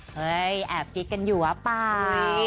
เฮ้ยแอบกิ๊กกันอยู่หรอเปล่า